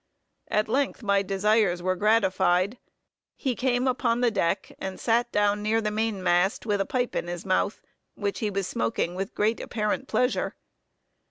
At length my desires were gratified. He came upon the deck, and sat down near the main mast, with a pipe in his mouth, which he was smoking with great apparent pleasure.